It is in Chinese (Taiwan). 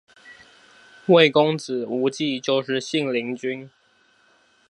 魏公子無忌就是信陵君